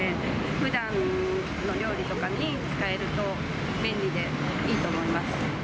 ふだんの料理とかに使えると便利で、いいと思います。